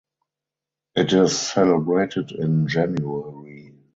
It is celebrated in January.